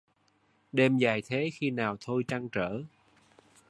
Đêm dài thế khi nào thôi trăn trở